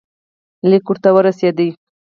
لیک ورته ورسېدی.